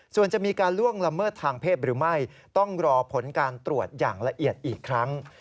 ส่วนจะมีการล่วงละเมิดทางเพศหรือไม่ต้องรอผลการตรวจอย่างละเอียดอีกครั้ง